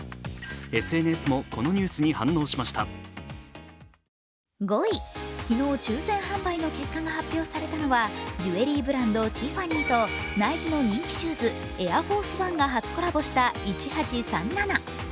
ＳＮＳもこのニュースに反応しました昨日、抽選販売の結果が発表されたのはジュエリーブランド、ティファニーとナイキの人気シューズ、エアフォースワンが初コラボした１８３７。